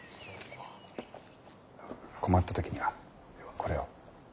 困った時にはこれを。